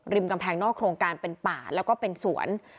กำแพงนอกโครงการเป็นป่าแล้วก็เป็นสวน